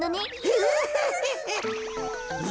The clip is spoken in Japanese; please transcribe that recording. フフフフフ。